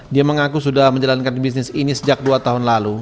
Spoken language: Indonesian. dia mengaku sudah menjalankan bisnis ini sejak dua tahun lalu